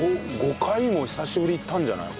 ５５回も久しぶりにいったんじゃない？